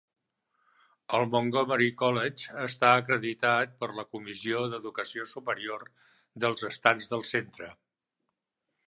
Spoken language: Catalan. El Montgomery College està acreditat per la Comissió d'Educació Superior dels Estats del Centre.